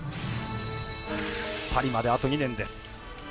パリまであと２年です。